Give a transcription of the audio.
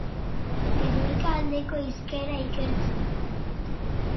Gernika aldeko hizkera ikertzen.